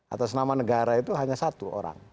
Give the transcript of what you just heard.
atas nama negara itu hanya satu orang